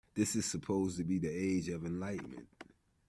This is supposed to be the age of enlightenment.